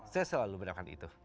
saya selalu mendapatkan itu